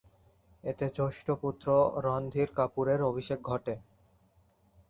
এতে জ্যেষ্ঠ পুত্র রণধীর কাপুরের অভিষেক ঘটে।